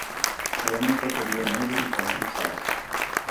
O homem preferia manjericão com salsa.